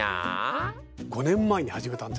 ５年前に始めたんですよ。